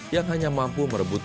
yang hanya mampu merebut dua menit